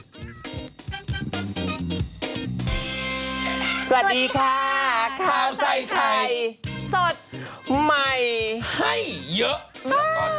สวัสดีค่ะข่าวใส่ไข่สดใหม่เยอะมาก